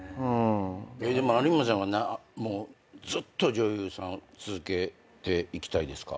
でも有村さんはもうずっと女優さんを続けていきたいですか？